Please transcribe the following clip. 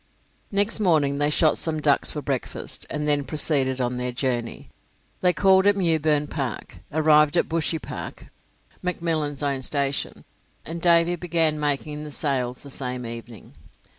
Next morning they shot some ducks for breakfast, and then proceeded on their journey. They called at Mewburn Park, arrived at Bushy Park (McMillan's own station), and Davy began making the sails the same evening.